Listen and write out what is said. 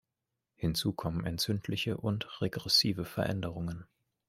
Hinzu kommen entzündliche und regressive Veränderungen.